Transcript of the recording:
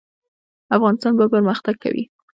افغانستان به پرمختګ کوي؟